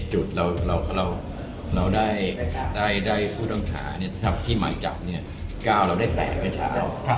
จุดเราได้ผู้ต้องหาที่หมายจับ๙เราได้๘เมื่อเช้า